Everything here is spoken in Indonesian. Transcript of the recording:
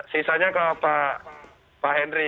sisanya ke pak henry